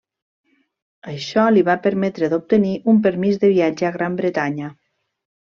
Això li va permetre d'obtenir un permís de viatge a Gran Bretanya.